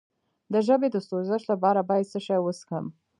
د ژبې د سوزش لپاره باید څه شی وڅښم؟